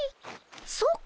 そっか。